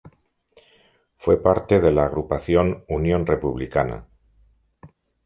Fue parte de la agrupación Unión Republicana.